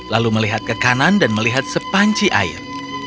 lalu melihat ke kanan dan melihat sepanci air